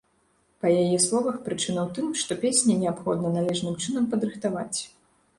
Па яе словах, прычына ў тым, што песні неабходна належным чынам падрыхтаваць.